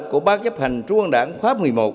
của ban giáp hành trung an đảng khóa một mươi một